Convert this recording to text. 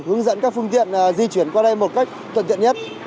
hướng dẫn các phương tiện di chuyển qua đây một cách thuận tiện nhất